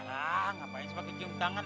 alah ngapain semakin cium tangan